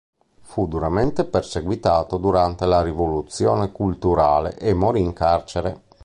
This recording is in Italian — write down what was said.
Fu duramente perseguitato durante la Rivoluzione Culturale e morì in carcere.